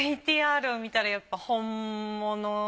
ＶＴＲを見たらやっぱ本物。